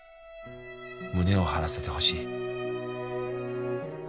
「胸を張らせてほしい」